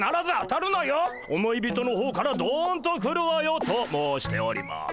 思い人の方からどんと来るわよ！」と申しております。